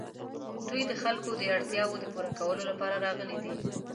دوی د خلکو د اړتیاوو د پوره کولو لپاره راغلي دي.